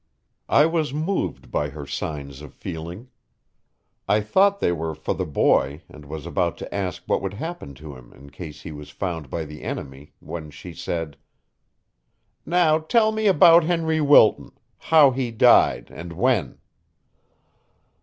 I was moved by her signs of feeling. I thought they were for the boy and was about to ask what would happen to him in case he was found by the enemy, when she said: "Now tell me about Henry Wilton how he died and when."